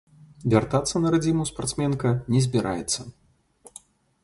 Вяртацца на радзіму спартсменка не збіраецца.